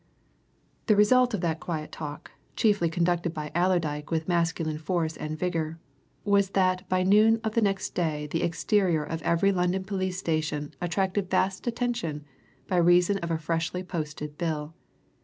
The result of that quiet talk chiefly conducted by Allerdyke with masculine force and vigour was that by noon of next day the exterior of every London police station attracted vast attention by reason of a freshly posted bill.